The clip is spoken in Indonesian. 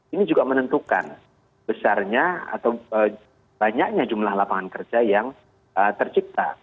ini juga menentukan besarnya atau banyaknya jumlah lapangan kerja yang tercipta